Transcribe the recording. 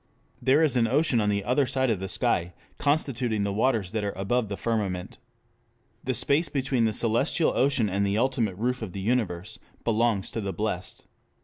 There is an ocean on the other side of the sky, constituting the "waters that are above the firmament." The space between the celestial ocean and the ultimate roof of the universe belongs to the blest.